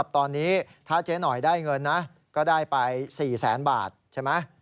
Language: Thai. ตอนนี้ถ้าเจ๊หน่อยได้เงินนะก็ได้ไป๔แสนบาทใช่ไหม